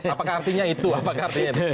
apakah artinya itu apakah artinya itu